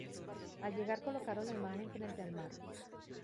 Al llegar colocaron la imagen frente al mar.